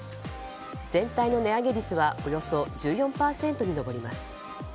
全体の値上げ率はおよそ１４％に上ります。